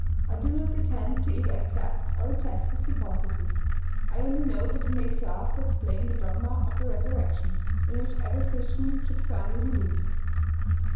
I do not pretend to either ac cept or reject this hypothesis. I only note that it may serve to explain the dogma of' the resurrection, in which every Christian should firmly believe."